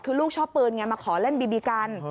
คือลูกชอบปืนไงมาขอเล่นบีบีกัน